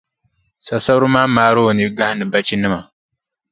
Sasabira maa maari o nii gahindi bachinima.